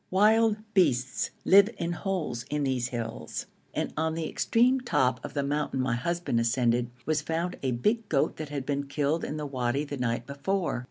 Wild beasts live in holes in these hills, and on the extreme top of the mountain my husband ascended, was found a big goat that had been killed in the wadi the night before.